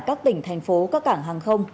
các tỉnh thành phố các cảng hàng không